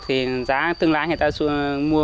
thì giá thương lái người ta mua